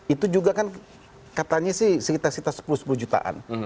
itu juga kan katanya sih sekitar sekitar sepuluh sepuluh jutaan